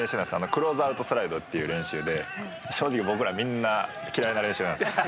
クローズアウトスライドっていう練習で正直僕らみんな嫌いな練習です。